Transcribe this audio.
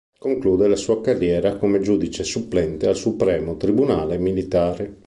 Conclude la sua carriera come giudice supplente al supremo Tribunale militare.